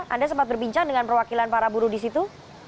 anda sempat berbincang dengan perwakilan para buruh di situ